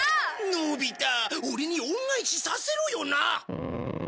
のび太オレに恩返しさせろよな。